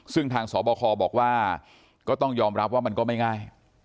ซึ่งทางสบคบอกว่าก็ต้องยอมรับว่ามันก็ไม่ง่าย